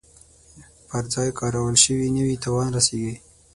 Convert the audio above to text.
پر ځای کارول شوي نه وي تاوان رسیږي.